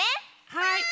はい。